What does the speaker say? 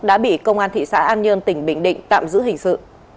đã bị công an thị xã an nhơn tỉnh bình định tạm giữ hình sự